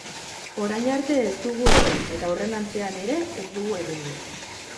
Orain arte ez dugu egin eta aurrerantzean ere ez dugu egingo.